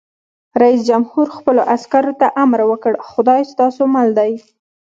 رئیس جمهور خپلو عسکرو ته امر وکړ؛ خدای ستاسو مل دی!